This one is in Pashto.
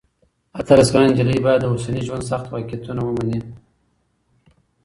اتلس کلنه نجلۍ باید د اوسني ژوند سخت واقعیتونه ومني.